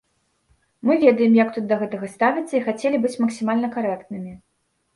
Мы ведаем, як тут да гэтага ставяцца, і хацелі быць максімальна карэктнымі.